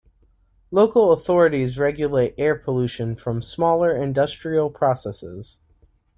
Local authorities regulate air pollution from smaller industrial processes.